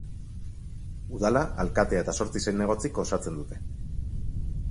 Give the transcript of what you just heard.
Udala alkatea eta zortzi zinegotzik osatzen dute.